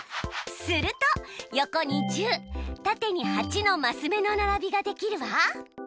すると横に１０縦に８のマス目の並びができるわ。